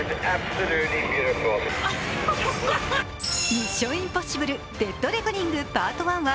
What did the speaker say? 「ミッション：インポッシブル／デッドレコニングＰＡＲＴＯＮＥ」は